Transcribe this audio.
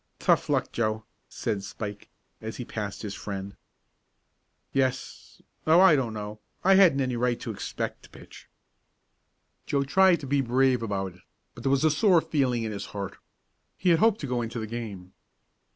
"Tough luck, Joe," said Spike, as he passed his friend. "Yes Oh, I don't know! I hadn't any right to expect to pitch!" Joe tried to be brave about it, but there was a sore feeling in his heart. He had hoped to go into the game.